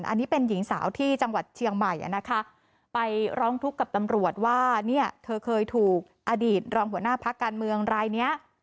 อันนี้เป็นหญิงสาวที่จังหวัดเชียงใหม่นะคะไปร้องทุกข์กับตำรวจว่าเนี่ยเธอเคยถูกอดีตรองหัวหน้าพักการเมืองรายเนี้ย